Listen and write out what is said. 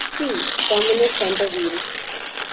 "See: Terminus Centre-Ville"